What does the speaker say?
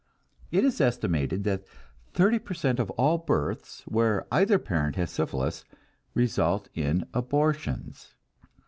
It is estimated that thirty per cent of all the births, where either parent has syphilis, result in abortions.